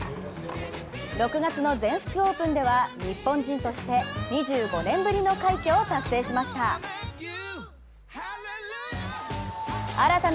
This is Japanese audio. ６月の全仏オープンでは日本人として２５年ぶりの快挙を達成しました。